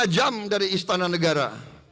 tiga jam dari istana negara